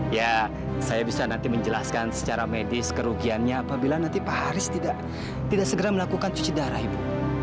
ya saya bisa nanti menjelaskan secara medis kerugiannya apabila nanti pak haris tidak segera melakukan cuci darah ibu